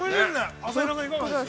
朝比奈さん、いかがですか。